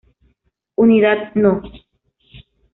Unidad No.